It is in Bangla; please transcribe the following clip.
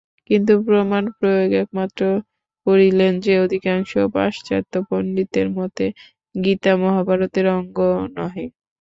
কিন্তু প্রমাণ-প্রয়োগ এইমাত্র করিলেন যে, অধিকাংশ পাশ্চাত্য পণ্ডিতের মতে গীতা মহাভারতের অঙ্গ নহে।